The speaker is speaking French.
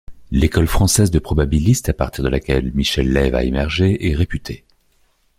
L'école française de probabilistes à partir de laquelle Michel Loève a émergé est réputée.